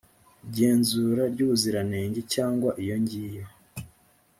genzura ry ubuziranenge cyangwa iyongiyo